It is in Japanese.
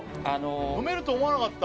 飲めると思わなかった。